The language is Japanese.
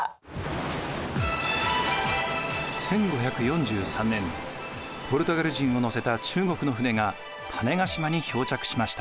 １５４３年ポルトガル人を乗せた中国の船が種子島に漂着しました。